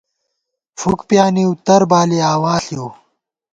فُک پیانِیؤ/ تر بالِی آوا ݪِؤ